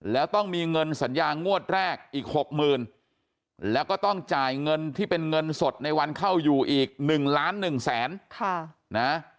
แล้วต้องมีเงินสัญญางวดแรกอีกหกหมื่นแล้วก็ต้องจ่ายเงินที่เป็นเงินสดในวันเข้าอยู่อีก๑ล้าน๑แสน